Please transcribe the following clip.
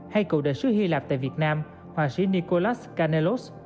hay cựu đại sứ hy lạp tại việt nam họa sĩ nicholas kanelos